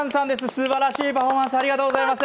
すばらしいパフォーマンスありがとうございます。